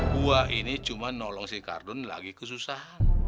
gua ini cuma nolong si kardun lagi kesusahan